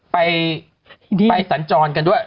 ไปสัญจรกันด้วย